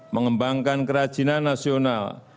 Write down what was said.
mengembangkan kerajinan nasional